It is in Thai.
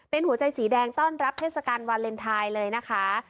เป็นหัวใจสีแดงต้อนรับเทศกาลวาเลนไทยเลยนะคะ